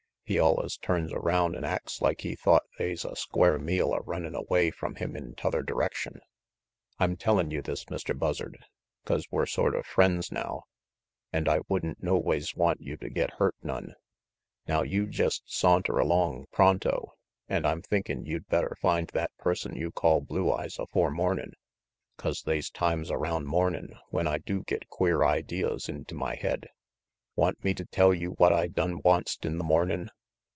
He allus turns around an' acts like he thought they's a square meal a runnin' away from him in t'other direction. I'm tellin' you this, Mr. Buzzard, 'cause we're sorta friends now, an' 98 RANGY PETE I would' n noways want you to get hurt none. Now you jest saunter along pronto, an' I'm thinkin' you'd better find that person you call Blue Eyes afore mornin', 'cause they's times around mornin' when I do get queer ideas into my head. Want me to tell you what I done onct in the mornin'?"